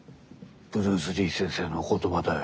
ブルース・リー先生のお言葉だよ。